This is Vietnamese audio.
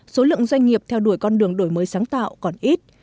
số lượng doanh nghiệp theo đuổi con đường đổi mới sáng tạo còn ít